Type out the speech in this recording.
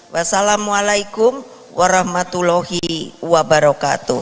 wassalamu'alaikum warahmatullahi wabarakatuh